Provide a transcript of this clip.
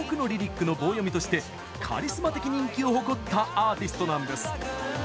くのぼうよみとしてカリスマ的人気を誇ったアーティストなんです。